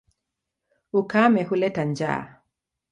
Ukame huleta njaa.